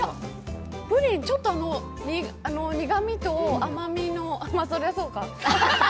プリン、ちょっと苦みと甘みの、あっ、それはそうか。